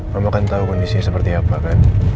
mama kan tahu kondisinya seperti apa kan